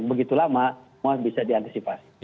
begitu lama semua bisa diantisipasi